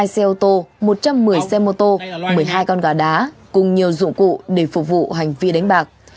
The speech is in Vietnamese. hai xe ô tô một trăm một mươi xe mô tô một mươi hai con gà đá cùng nhiều dụng cụ để phục vụ hành vi đánh bạc